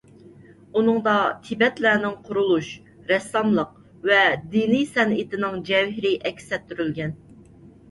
ئۇنىڭدا تىبەتلەرنىڭ قۇرۇلۇش، رەسساملىق ۋە دىنىي سەنئىتىنىڭ جەۋھىرى ئەكس ئەتتۈرۈلگەن.